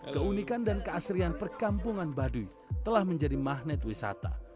keunikan dan keasrian perkampungan baduy telah menjadi magnet wisata